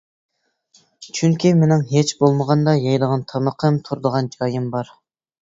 چۈنكى، مېنىڭ ھېچبولمىغاندا يەيدىغان تامىقىم، تۇرىدىغان جايىم بار.